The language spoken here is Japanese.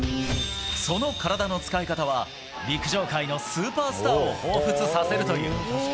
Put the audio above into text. その体の使い方は、陸上界のスーパースターをほうふつさせるという。